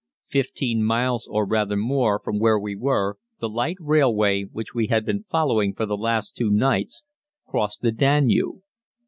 Fifteen miles or rather more from where we were, the light railway, which we had been following for the last two nights, crossed the Danube.